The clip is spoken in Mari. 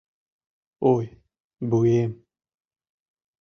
— Ой, вуем!..